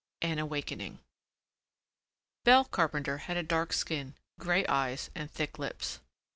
AN AWAKENING Belle Carpenter had a dark skin, grey eyes, and thick lips.